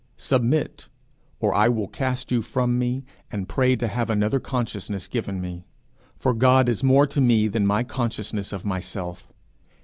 Submit, or I will cast you from me, and pray to have another consciousness given me. For God is more to me than my consciousness of myself.